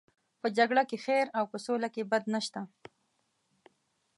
په جګړه کې خیر او په سوله کې بد نشته.